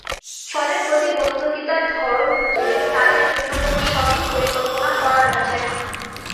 ফলে প্রতিবন্ধিতার ধরন অনুযায়ী তাঁদের জন্য কোনো সঠিক পরিকল্পনা করা যাচ্ছে না।